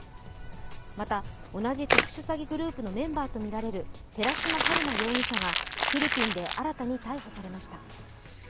また同じ特殊詐欺グループのメンバーとみられる寺島春奈容疑者がフィリピンで新たに逮捕されました。